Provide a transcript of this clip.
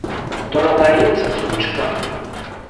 Դորալային ցնցում չկա։